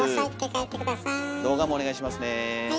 動画もお願いしますね。